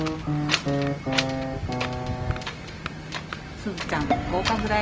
すずちゃん合格だよ。